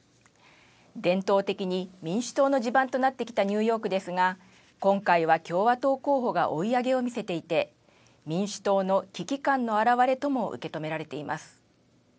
伝統的に民主党の地盤となってきたニューヨークですが今回は共和党候補が追い上げを見せていて民主党の危機感の表れとも受け止められています。